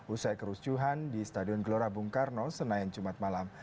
usai kerusuhan di stadion gelora bung karno senayan jumat malam